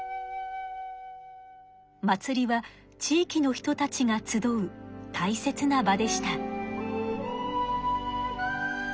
祭りは地域の人たちが集う大切な場でした。